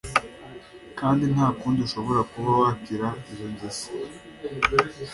kandi nta kundi ushobora kuba wakira izo ngese